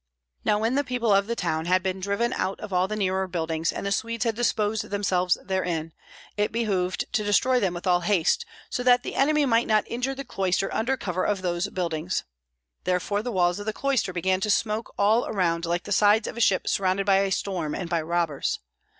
Now, when the people of the town had been driven out of all the nearer buildings, and the Swedes had disposed themselves therein, it behooved to destroy them with all haste, so that the enemy might not injure the cloister under cover of those buildings. Therefore the walls of the cloister began to smoke all around like the sides of a ship surrounded by a storm and by robbers.